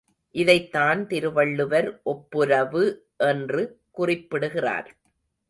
இதைத்தான் திருவள்ளுவர் ஒப்புரவு என்று குறிப்பிடுகிறார்.